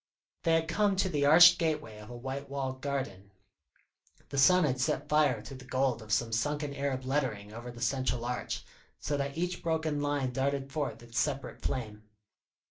They had come to the arched gateway of a white walled garden. The sun had set fire to the gold of some sunken Arab lettering over the central arch, so that each broken line darted forth its separate flame.